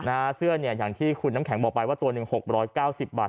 หน้าเสื้ออย่างที่คุณน้ำแข็งบอกไปว่าตัวหนึ่ง๖๙๐บาท